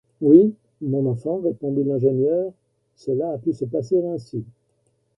Oui, mon enfant, répondit l’ingénieur, cela a pu se passer ainsi.